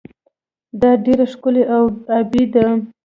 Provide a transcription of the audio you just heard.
دا ډیره ښکلې او ابي ده.